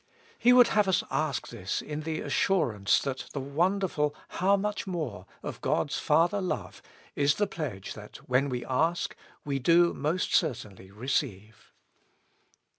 He would have us ask this in the assurance that the wonderful HOW MUCH MORE of God's Father love is the pledge that, when we ask, we do most certainly receive.